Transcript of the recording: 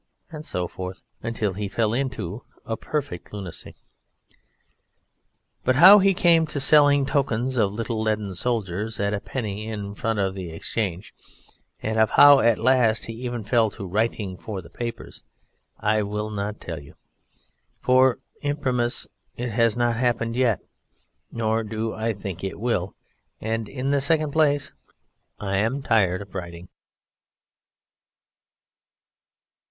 and so forth, until he fell into a perfect lunacy. But of how he came to selling tokens of little leaden soldiers at a penny in front of the Exchange, and of how at last he even fell to writing for the papers, I will not tell you; for, imprimis, it has not happened yet, nor do I think it will, and in the second place I am tired of writing.